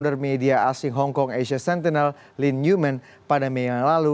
pada media asing hong kong asia sentinel lynn newman pada meyang lalu